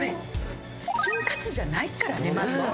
チキンカツじゃないからねまず。